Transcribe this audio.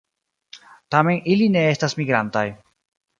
Tamen ili ne estas migrantaj.